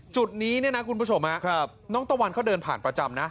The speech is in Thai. จุดนี้เนี่ยนะคุณผู้ชมน้องตะวันเขาเดินผ่านประจำนะ